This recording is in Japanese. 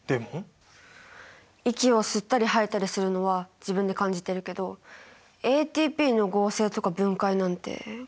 息を吸ったり吐いたりするのは自分で感じてるけどＡＴＰの合成とか分解なんて感じたことないじゃないですか。